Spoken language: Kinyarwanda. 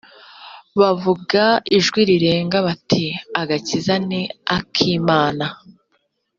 bavuga ijwi rirenga bati “agakiza ni ak’imana